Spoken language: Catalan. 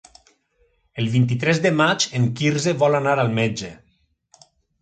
El vint-i-tres de maig en Quirze vol anar al metge.